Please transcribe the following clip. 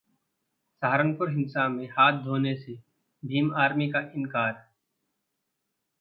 सहारनपुर हिंसा में हाथ होने से भीम आर्मी का इनकार